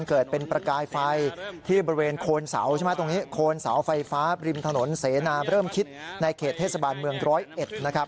เอาไฟฟ้าบริมถนนเสนาเริ่มคิดในเขตเทศบาลเมือง๑๐๑นะครับ